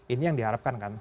ini yang diharapkan kan